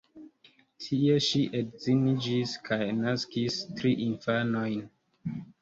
Tie ŝi edziniĝis kaj naskis tri infanojn.